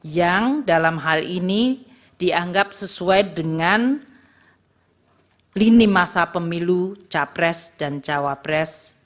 yang dalam hal ini dianggap sesuai dengan lini masa pemilu capres dan cawapres